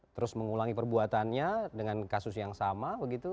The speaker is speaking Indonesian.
terus mengulangi perbuatannya dengan kasus yang sama begitu